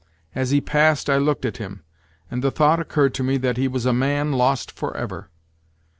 As he passed I looked at him, and the thought occurred to me that he was a man lost for ever.